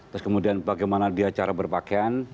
terus kemudian bagaimana dia cara berpakaian